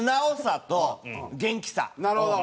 なるほど！